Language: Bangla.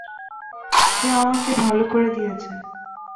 সে আমাকে ভালো করে দিয়েছে।